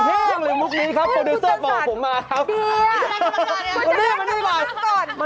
อย่างแห้งเลยมุกนี้ครับโพดีเซอร์บอกผมมาครับ